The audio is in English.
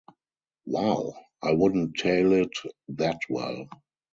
Wow, i wouldn't tale it that well.